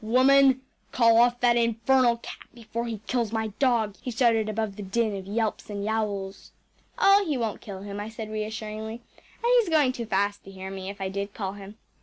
“Woman, call off that infernal cat before he kills my dog,‚ÄĚ he shouted above the din of yelps and yowls. “Oh, he won’t kill him,‚ÄĚ I said reassuringly, “and he’s going too fast to hear me if I did call him.